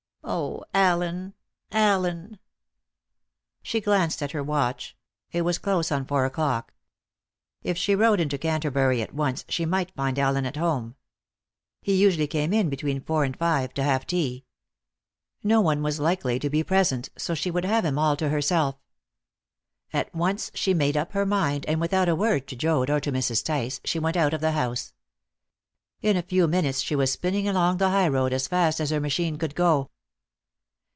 Oh, Allen, Allen!" She glanced at her watch. It was close on four o'clock. If she rode into Canterbury at once, she might find Allen at home. He usually came in between four and five to have tea. No one was likely to be present, so she would have him all to herself. At once she made up her mind, and without a word to Joad or to Mrs. Tice she went out of the house. In a few minutes she was spinning along the highroad as fast as her machine could go.